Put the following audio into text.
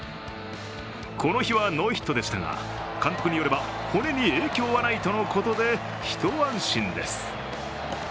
この日はノーヒットでしたが、監督によれば骨に影響はないとのことで一安心です。